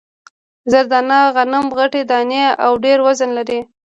زر دانه غنم غټې دانې او ډېر وزن لري.